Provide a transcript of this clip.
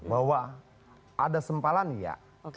bahwa ada sempalan ya